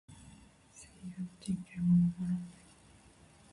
声優の人権は守ろうね。